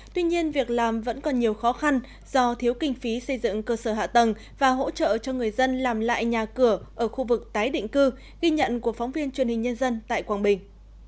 tuy nhiên việc làm vẫn còn nhiều khó khăn do thiếu kinh phí xây dựng cơ sở hạ tầng và hỗ trợ cho người dân làm lại nhà cửa ở khu vực tái định cư ghi nhận của phóng viên truyền hình nhân dân tại quảng bình